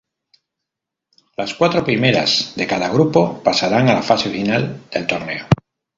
Las cuatro primeras de cada grupo pasarán a la fase final del torneo.